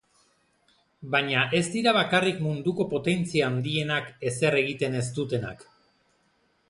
Baina ez dira bakarrik munduko potentzia handienak ezer egiten ez dutenak.